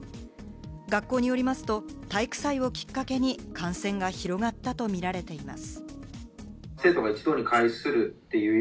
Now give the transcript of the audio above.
学校によりますと、体育祭をきっかけに感染が広がったとみられています。